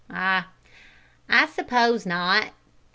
"Ah, I suppose not.